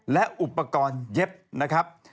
และอุปกรณ์เย็บนะครับ